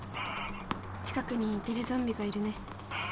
近くにテレゾンビがいるね。